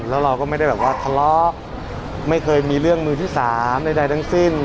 แล้วเราก็ไม่ได้แบบว่าทะเลาะไม่เคยมีเรื่องมือที่สามใดทั้งสิ้น